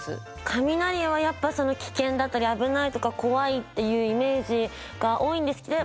雷はやっぱ危険だったり危ないとか怖いっていうイメージが多いんですけど。